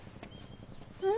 うん？